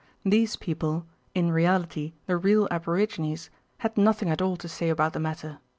These people, in reality the real aborigines, had nothing at all to say about the matter.